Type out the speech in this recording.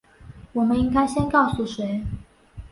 我们应该先告诉谁？